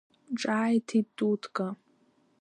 Ҿааиҭит Тутка.